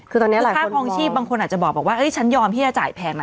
ค่าครองชีพบางคนอาจจะบอกว่าฉันยอมที่จะจ่ายแพงนะ